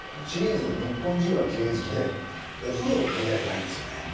シリーズ「日本人はきれい好き？」でお風呂を取り上げたいんですよね。